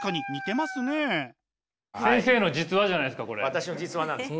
私の実話なんです。